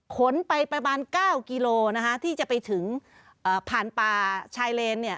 ขนไปประมาณ๙กิโลที่จะไปถึงผ่านป่าชายเลน